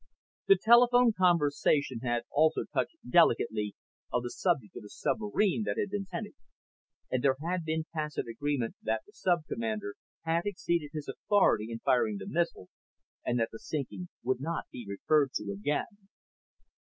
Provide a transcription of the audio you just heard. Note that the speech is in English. The telephone conversation had also touched delicately on the subject of the submarine that had been sunk in mid Atlantic, and there had been tacit agreement that the sub commander had exceeded his authority in firing the missiles and that the sinking would not be referred to again.